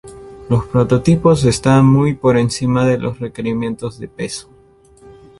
Los prototipos estaban muy por encima de los requerimientos de peso.